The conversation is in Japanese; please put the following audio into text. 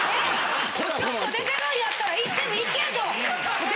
ちょっと出てるんやったら行ってもいいけど。